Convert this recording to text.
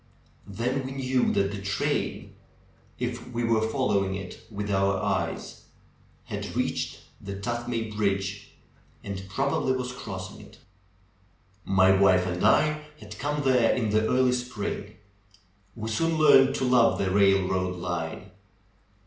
Then we knew that the train, if we were following it with our eyes, had reached the Tuthmay bridge, and prob ably was crossing it. My wife and I had come there in the early spring. We soon learned to love the railroad line.